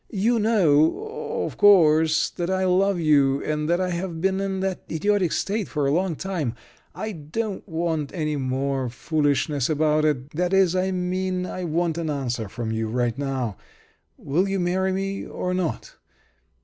"You know, of course, that I love you, and that I have been in that idiotic state for a long time. I don't want any more foolishness about it that is, I mean I want an answer from you right now. Will you marry me or not?